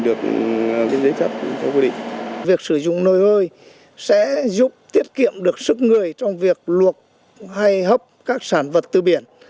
đã xây hấp các sản vật từ biển